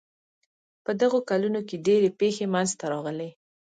په دغو کلونو کې ډېرې پېښې منځته راغلې.